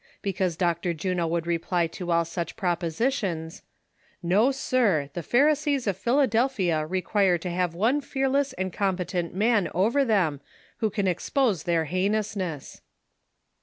Because Dr. Juno would reply to all such propositions :" ISTo, sir, the pharisees of Philadelphia require to have one fearless and competent man over them, who can ex pose their heinousness."